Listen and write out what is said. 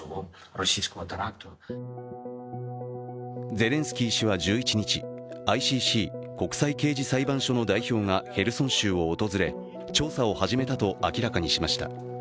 ゼレンスキー氏は１１日、ＩＣＣ＝国際刑事裁判所の代表がヘルソン州を訪れ調査を始めたと明らかにしました。